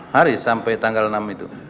hari sampai tanggal enam itu